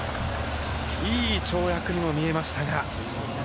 いい跳躍にも見えましたが。